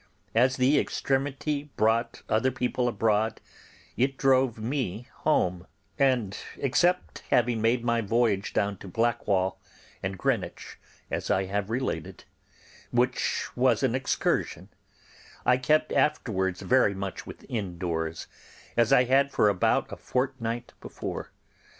As the extremity brought other people abroad, it drove me home, and except having made my voyage down to Blackwall and Greenwich, as I have related, which was an excursion, I kept afterwards very much within doors, as I had for about a fortnight before.